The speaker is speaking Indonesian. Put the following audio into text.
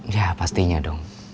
ya pastinya dong